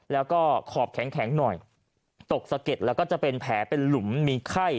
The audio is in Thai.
แล้วก็ขอบแข็งหน่อยตกสะเก็ดแล้วก็จะเป็นแผลเป็นหลุมมีไข้